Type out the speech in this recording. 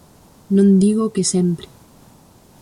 ¡Non digo que sempre!